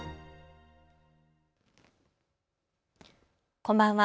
こんばんは。